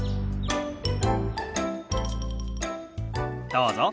どうぞ。